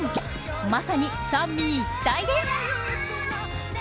まさに三位一体です。